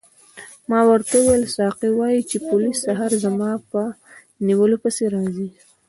ما ورته وویل ساقي وایي چې پولیس سهار زما په نیولو پسې راځي.